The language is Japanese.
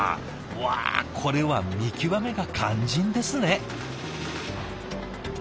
わあこれは見極めが肝心ですね。